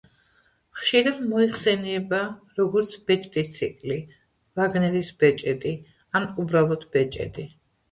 ხშირად მოიხსენიება, როგორც „ბეჭდის ციკლი“, „ვაგნერის ბეჭედი“, ან უბრალოდ, „ბეჭედი“.